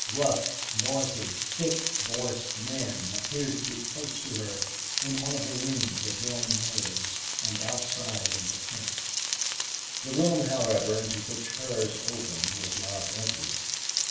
Rough, noisy, thick voiced men appeared to be close to her, in one of the rooms adjoining hers, and outside in the tents. The room, however, into which hers opened was not entered.